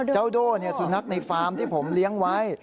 โด่สุนัขในฟาร์มที่ผมเลี้ยงไว้